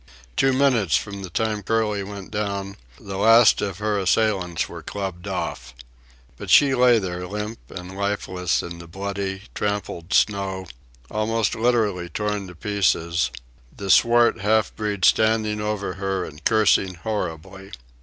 Two minutes from the time Curly went down, the last of her assailants were clubbed off. But she lay there limp and lifeless in the bloody, trampled snow, almost literally torn to pieces, the swart half breed standing over her and cursing horribly.